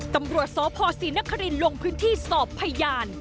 ตำรวจสพศรีนครินลงพื้นที่สอบพยาน